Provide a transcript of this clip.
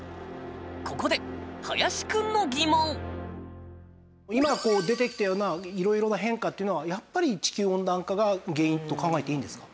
ここで今こう出てきたような色々な変化っていうのはやっぱり地球温暖化が原因と考えていいんですか？